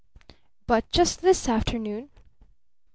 "But just this afternoon